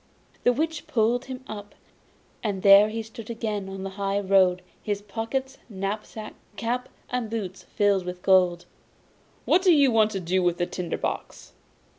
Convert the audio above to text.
The Witch pulled him up, and there he stood again on the high road, with pockets, knapsack, cap and boots filled with gold. 'What do you want to do with the tinder box?